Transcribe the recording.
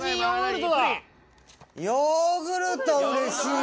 ヨーグルトうれしいわ。